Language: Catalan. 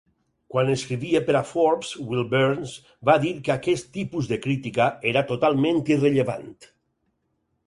Quan escrivia per a "Forbes", Will Burns va dir que aquest tipus de crítica era "totalment irrellevant".